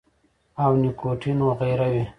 او نيکوټین وغېره وي -